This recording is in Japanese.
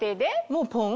もうポン？